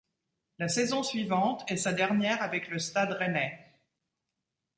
La saison suivante est sa dernière avec le Stade rennais.